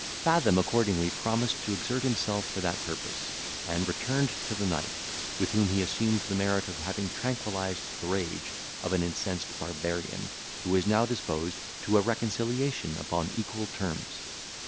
Fathom accordingly promised to exert himself for that purpose, and returned to the knight, with whom he assumed the merit of having tranquillised the rage of an incensed barbarian, who was now disposed to a reconciliation upon equal terms.